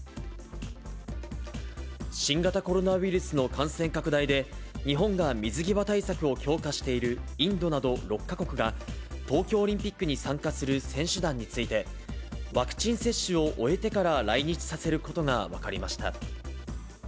新型コロナウイルスの感染拡大で、日本が水際対策を強化しているインドなど６か国が、東京オリンピックに参加する選手団について、ワクチン接種を終えてから来日させることが分かりました。